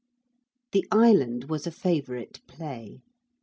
The island was a favourite play.